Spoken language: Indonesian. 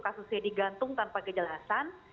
kasusnya digantung tanpa kejelasan